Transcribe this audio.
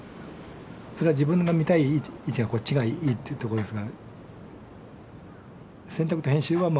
それは自分が見たい位置がこっちがいいっていうところですが。